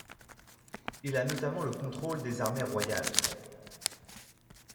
Il a notamment le contrôle des armées royales.